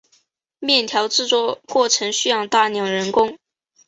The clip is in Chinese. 面条制作过程需要大量人工。